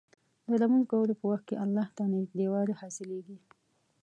د لمونځ کولو په وخت کې الله ته نږدېوالی حاصلېږي.